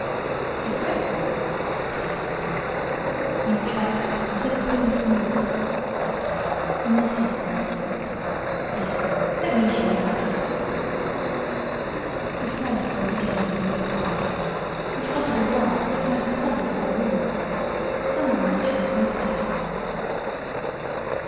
"The thread broke," Kaner said. "You jerked it, instead of pulling smoothly," Biff said and knotted the broken thread. "Here let me show you how to do it." The thread broke again when Biff tried it, which got a good laugh that made his collar a little warm. Someone mentioned the poker game.